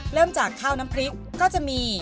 เริ่มจากข้าวน้ำพริกก็จะมี